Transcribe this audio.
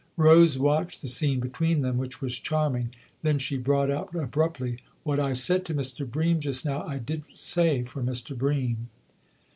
Rose watched the scene between them, which was charm ing ; then she brought out abruptly :" What I said to Mr. Bream just now I didn't say for Mr. Bream."